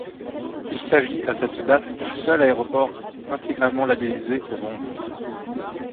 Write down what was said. Il s'agit à cette date du seul aéroport intégralement labellisé au monde.